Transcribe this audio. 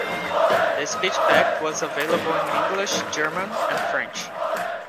The speech pack was available in English, German and French.